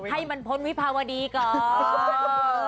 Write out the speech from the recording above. ให้มันพ้นวิภาวดีก่อน